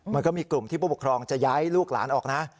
มันก็มีกลุ่มที่ผู้ปกครองจะย้ายลูกหลานออกนะ